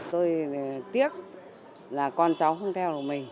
tôi tiếc là con cháu không theo được mình